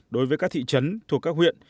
đối với các thị trấn thuộc các huyện